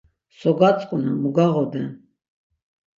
So gatzǩunen, mu gağoden?